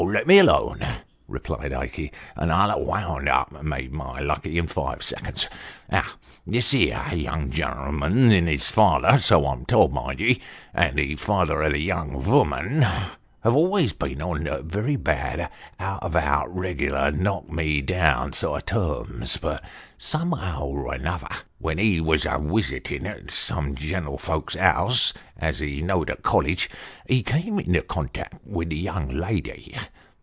" Let me alone," replied Ikey, " and I'll ha' vonnd up, and made my lucky in five seconds. This here young gen'lm'n's fatherso I'm told, mind ye and the father o' the young voman, have always been on very bad, out and out, rig'lar knock me down sort o' terms ; but somehow or another, when he was a wisitin' at some gentlefolk's house, as he knowed at college, he came into contract with the young lady.